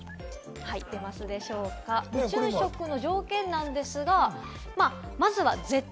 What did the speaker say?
宇宙食の条件なんですが、こちらです。